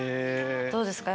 どうですか？